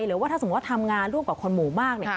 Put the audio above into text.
หรือว่าถ้าสมมุติว่าทำงานร่วมกับคนหมู่มากเนี่ย